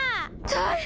大変！